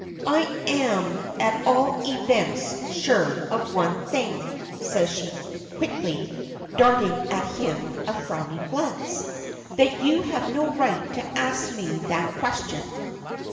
"I am at all events sure of one thing," says she quickly darting at him a frowning glance, "that you have no right to ask me that question."